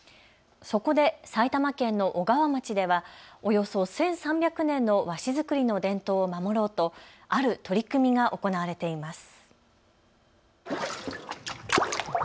そこで埼玉県の小川町ではおよそ１３００年の和紙作りの伝統を守ろうとある取り組みが行われています。